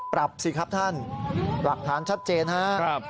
ปรับสิครับท่านหลักฐานชัดเจนครับ